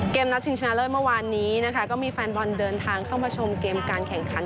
นัดชิงชนะเลิศเมื่อวานนี้นะคะก็มีแฟนบอลเดินทางเข้ามาชมเกมการแข่งขัน